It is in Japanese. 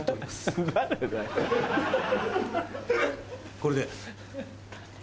これで。